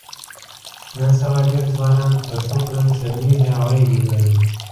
نن سبا ډېر ځوانان په ښو کړنو شرمېږي او عیب یې ګڼي.